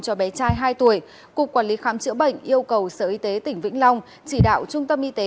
cho bé trai hai tuổi cục quản lý khám chữa bệnh yêu cầu sở y tế tỉnh vĩnh long chỉ đạo trung tâm y tế